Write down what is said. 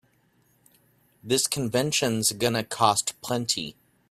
This convention's gonna cost plenty.